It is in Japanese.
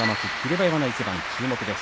馬山の一番注目です。